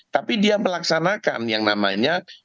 tapi dia melaksanakan yang namanya